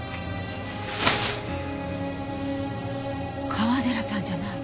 川寺さんじゃない。